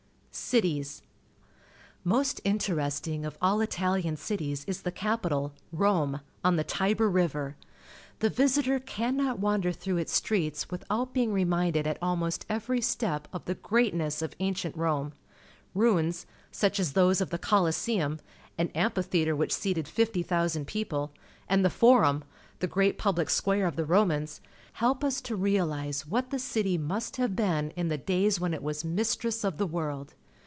Cities. — Most interesting of all Italian cities is the capital, Rome, on the Tibe r Rive r. The visitor cannot wander through Its streets without being reminded at almost every step of the greatness of ancient Rome. Ruins, such as those of the Colossemn, an ampliitheatre wliich seated 50,000 people, and the Forum, the great public square of the Romans, help us to realize what the city must have been in the days when it was mistress of the world.